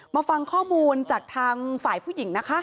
มาฟังข้อมูลจากทางฝ่ายผู้หญิงนะคะ